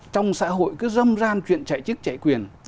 trong xã hội cứ râm ran chuyện chạy chức chạy quyền